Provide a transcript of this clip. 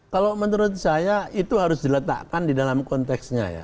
kalau menurut saya itu harus diletakkan di dalam konteksnya ya